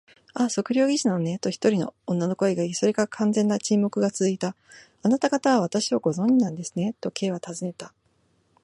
「ああ、測量技師なのね」と、一人の女の声がいい、それから完全な沈黙がつづいた。「あなたがたは私をご存じなんですね？」と、Ｋ はたずねた。